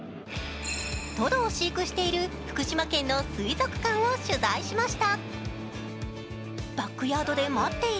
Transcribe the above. トドを飼育している福島県の水族館を取材しました。